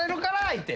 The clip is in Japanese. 言うて。